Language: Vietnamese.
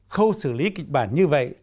khâu xử lý kịch bản như vậy